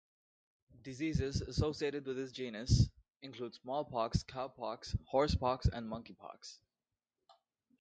Diseases associated with this genus include smallpox, cowpox, horsepox, and monkeypox.